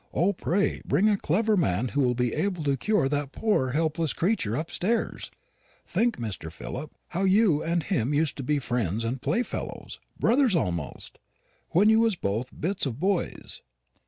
O, pray bring a clever man who will be able to cure that poor helpless creature upstairs. Think, Mr. Philip, how you and him used to be friends and playfellows, brothers almost, when you was both bits of boys.